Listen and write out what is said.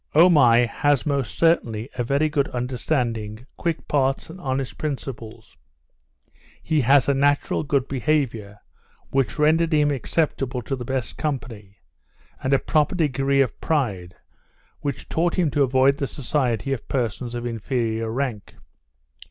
Omai has most certainly a very good understanding, quick parts, and honest principles; he has a natural good behaviour, which rendered him acceptable to the best company; and a proper degree of pride, which taught him to avoid the society of persons of inferior rank.